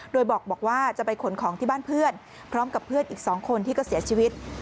โดยบอกว่าจะไปขนของที่บ้านเพื่อนพร้อมกับเพื่อนอีก๒คนที่ก็เสียชีวิต